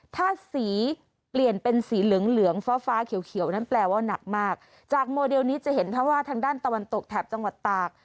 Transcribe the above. ถ้าสีเปลี่ยนเป็นสีเหลืองเหลืองฟ้าฟ้าเขียวเขียวนั้นแปลว่านักมากจากโมเดลนี้จะเห็นเพราะว่าทางด้านตะวันตกแถบจังหวัดตาก